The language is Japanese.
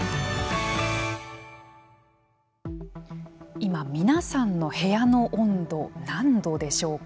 今、皆さんの部屋の温度何度でしょうか。